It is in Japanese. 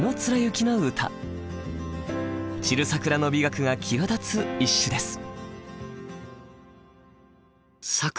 散る桜の美学が際立つ一首です。